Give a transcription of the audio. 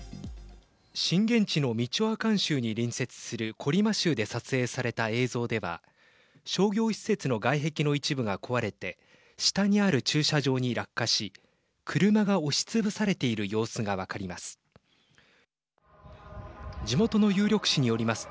震源地のミチョアカン州に隣接するコリマ州で撮影された映像では商業施設の外壁の一部が壊れて下にある駐車場に落下し車が押し潰されている様子が分かります。